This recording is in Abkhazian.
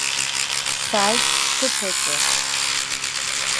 Сааит сҭыԥ аҿы.